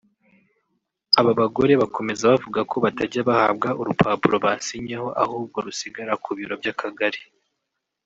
Aba bagore bakomeza bavuga ko batajya bahabwa urupapuro basinyeho ahubwo rusigara ku biro by’akagari